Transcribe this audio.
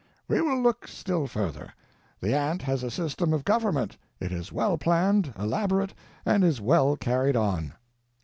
We will look still further. The ant has a system of government; it is well planned, elaborate, and is well carried on.